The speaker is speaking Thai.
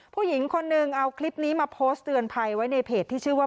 ผู้หญิงคนหนึ่งเอาคลิปนี้มาโพสต์เตือนภัยไว้ในเพจที่ชื่อว่า